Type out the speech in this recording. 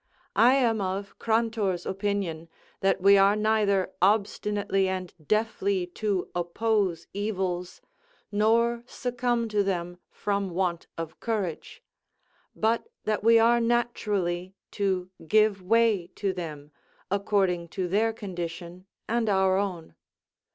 I am of Crantor's opinion, that we are neither obstinately and deafly to oppose evils, nor succumb to them from want of courage; but that we are naturally to give way to them, according to their condition and our own.